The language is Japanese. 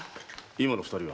今の二人は？